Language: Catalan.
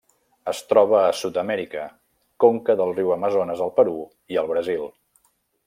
Es troba a Sud-amèrica: conca del riu Amazones al Perú i el Brasil.